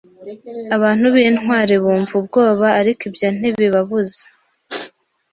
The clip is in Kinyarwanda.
Abantu b'intwari bumva ubwoba, ariko ibyo ntibibabuza.